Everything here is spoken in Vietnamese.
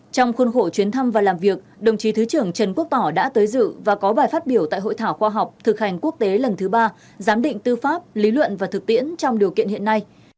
trong khuôn khổ chuyến thăm và làm việc đồng chí thứ trưởng trần quốc tỏ đã tới dự và có bài phát biểu tại hội thảo khoa học thực hành quốc tế lần thứ ba giám định tư pháp lý luận và thực tiễn trong điều kiện hiện nay